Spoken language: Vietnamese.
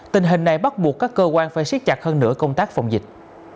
tình hình này bắt buộc các cơ quan phải siết chặt hơn nữa công tác phòng dịch